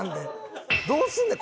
どうすんねん？